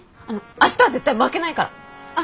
明日は絶対負けないから。